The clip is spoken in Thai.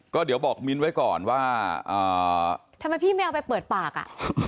ก็เดี๋ยวบอกมิ้นไว้ก่อนว่าทำไมพี่ไม่เอาไปเปิดปากอ่ะ